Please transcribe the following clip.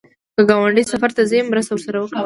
که ګاونډی سفر ته ځي، مرسته ورسره وکړه